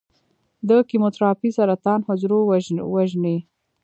د کیموتراپي سرطان حجرو وژني.